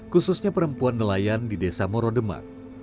khususnya perempuan nelayan di desa morodema